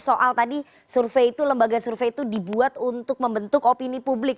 soal tadi survei itu lembaga survei itu dibuat untuk membentuk opini publik